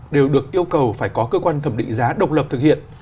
đều được yêu cầu phải có cơ quan thẩm định giá độc lập thực hiện